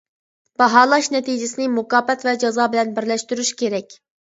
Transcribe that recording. باھالاش نەتىجىسىنى مۇكاپات ۋە جازا بىلەن بىرلەشتۈرۈش كېرەك.